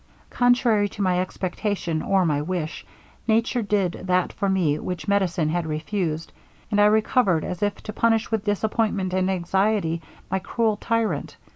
'Contrary to my expectation, or my wish, nature did that for me which medicine had refused, and I recovered as if to punish with disappointment and anxiety my cruel tyrant.